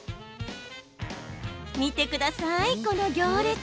見てください、この行列。